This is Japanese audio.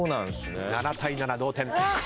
７対７同点。